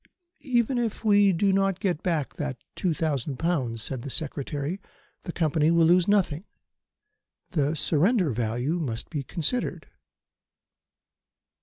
"Even if we do not get back that two thousand pounds," said the Secretary, "the Company will lose nothing. The surrender value must be considered."